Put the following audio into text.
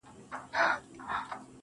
خو د عقل ساز او سورنت لږ ښکاري